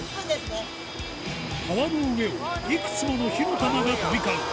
川の上をいくつもの火の玉が飛び交う